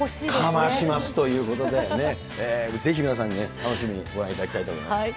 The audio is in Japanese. かましますということで、ぜひ皆さんね、楽しみにご覧いただきたいと思います。